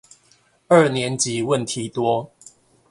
二年級問題多